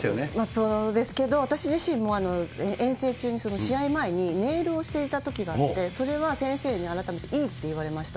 そうですけど、私自身も、遠征中に試合前にネイルをしていたときがあって、それは先生に、改めていいって言われました。